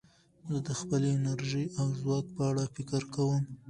زه د خپلې انرژۍ او ځواک په اړه فکر کوم.